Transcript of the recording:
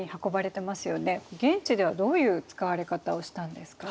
現地ではどういう使われ方をしたんですか？